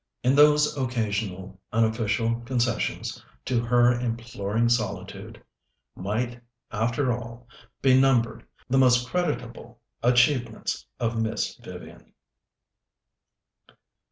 In those occasional unofficial concessions to her imploring solitude might, after all, be numbered the most creditable achievements of Miss Vivian.